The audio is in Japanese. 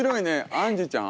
あんじゅちゃん？